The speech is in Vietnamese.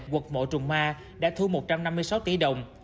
quật mộ trùng ma đã thu một trăm năm mươi sáu tỷ đồng